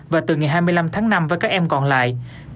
và từ ngày hai mươi năm tháng năm với các em còn lại